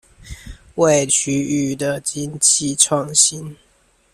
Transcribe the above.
為區域的經濟創新